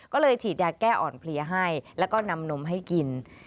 ก็เลยฉีดยาแก้อ่อนเพลียให้แล้วก็นำนมให้กิน